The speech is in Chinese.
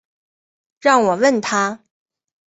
让我问他